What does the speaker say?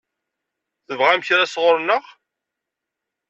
Tebɣam kra sɣur-neɣ?